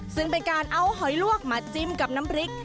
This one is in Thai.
ซึ่งเป็นการเอาหอยลวกมาจิ้มกับน้ำพริก